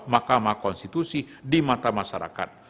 makamah konstitusi di mata masyarakat